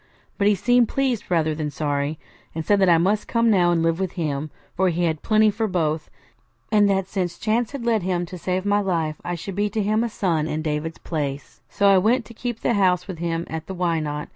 But he seemed pleased rather than sorry, and said that I must come now and live with him, for he had plenty for both; and that since chance had led him to save my life, I should be to him a son in David's place. So I went to keep house with him at the Why Not?